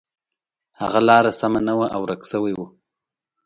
هغه لاره سمه نه وه او ورک شوی و.